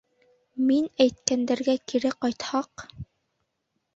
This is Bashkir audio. Мин әйткәндәргә кире ҡайтһаҡ...